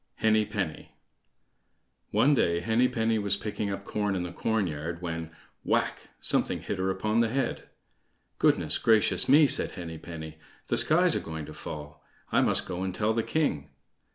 Henny Penny One day Henny penny was picking up corn in the corn yard when—whack!—something hit her upon the head. "Goodness gracious me!" says Henny penny; "the sky's a going to fall; I must go and tell the king."